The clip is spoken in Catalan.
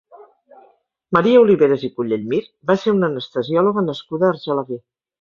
Maria Oliveras i Collellmir va ser una anestesiòloga nascuda a Argelaguer.